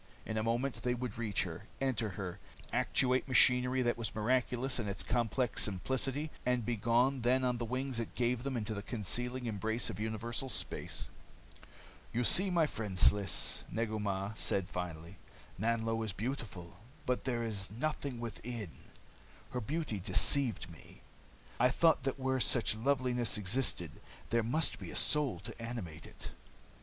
In a moment they would reach her, enter her, actuate machinery that was miraculous in its complex simplicity, and be gone then on the wings it gave them into the concealing embrace of universal space. "You see, my friend Sliss," Negu Mah said finally, "Nanlo is beautiful, but there is nothing within. Her beauty deceived me. I thought that where such loveliness existed, there must be a soul to animate it.